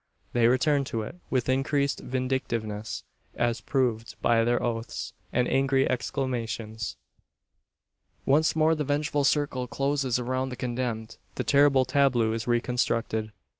They return to it with increased vindictiveness as proved by their oaths, and angry exclamations. Once more the vengeful circle closes around the condemned the terrible tableau is reconstructed.